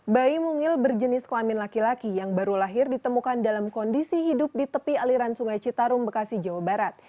bayi mungil berjenis kelamin laki laki yang baru lahir ditemukan dalam kondisi hidup di tepi aliran sungai citarum bekasi jawa barat